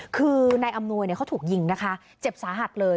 คือนายอำนวยเขาถูกยิงนะคะเจ็บสาหัสเลย